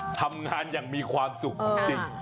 ทำงานอย่างมีความสุขจริง